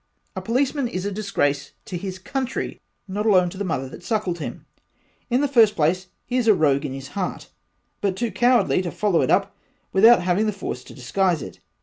A Policeman is a disgrace to his country, not alone to the mother that suckled him, in the first place he is a rogue in his heart but too cowardly to follow it up without having the force to disguise it.